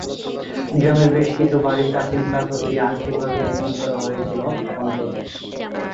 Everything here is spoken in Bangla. গ্রামের বেশ কিছু বাড়ি প্রাচীন পাথর দিয়ে আংশিকভাবে নির্মাণ করা হয়েছিল, অন্তত।